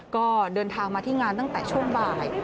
ก็เดินทางมาที่งานตั้งแต่ช่วงบ่าย